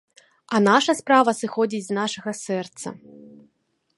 А наша справа сыходзіць з нашага сэрца.